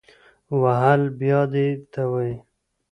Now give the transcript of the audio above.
وهل بیا دې ته وایي